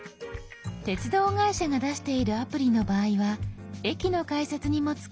鉄道会社が出しているアプリの場合は駅の改札にも使えます。